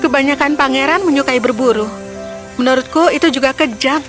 kebanyakan pangeran menyukai berburu menurutku itu juga kejam